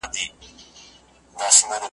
خو هستي یې نه درلوده ډېر نېسمتن وه .